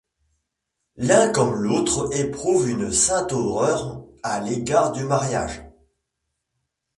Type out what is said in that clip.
L'un comme l'autre éprouvent une sainte horreur à l'égard du mariage.